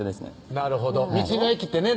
なるほど道の駅ってね